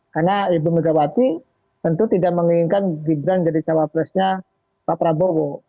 karena ibu megawati tentu tidak menginginkan gibran jadi cw nya pak prabowo